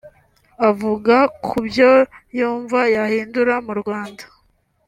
Avuga ku byo yumva yahindura mu Rwanda